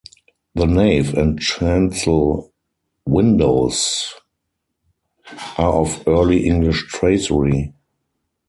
The nave and chancel windows are of Early English tracery.